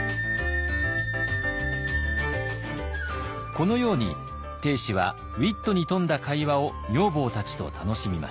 このように定子はウイットに富んだ会話を女房たちと楽しみました。